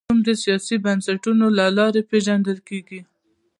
د روم سیاسي بنسټونه لا هم پېژندل کېږي.